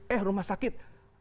eh rumah sakit